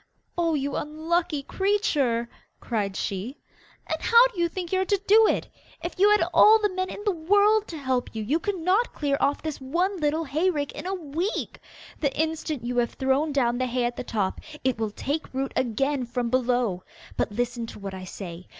'Oh, you unlucky creature!' cried she; 'and how do you think you are to do it. If you had all the men in the world to help you, you could not clear off this one little hay rick in a week. The instant you have thrown down the hay at the top, it will take root again from below. But listen to what I say.